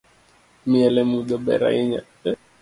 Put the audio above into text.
Miel emudho ber ahinya